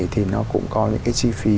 thì nó cũng có những cái chi phí